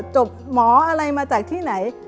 หมออะไรมาจากที่ไหน